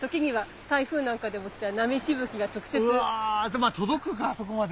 でも届くかあそこまで。